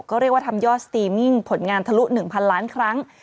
ก็เรียกว่าทำยอดสตรีมมิ่งผลงานทะลุ๑๐๐ล้านครั้ง